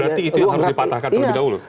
berarti itu yang harus dipatahkan terlebih dahulu